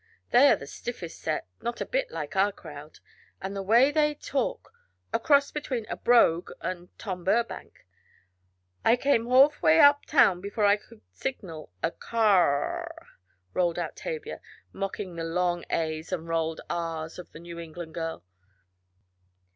They are the stiffest set not a bit like our crowd. And the way they talk! A cross between a brogue and Tom Burbank. 'I came hawf way uptown before I could signal a car r'," rolled out Tavia, mocking the long A's, and rolled R's of the New England girl.